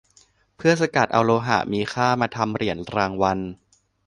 เพื่อสกัดเอาโลหะมีค่ามาทำเหรียญรางวัล